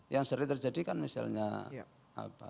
yang sering terjadi kan misalnya apa